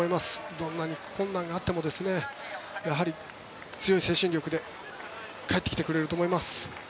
どんなに困難があっても強い精神力で帰ってきてくれると思います。